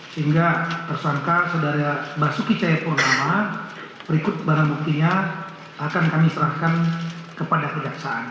sehingga tersangka saudara saudara ini bisa berhasil berkata kata dengan kami ini terima kasih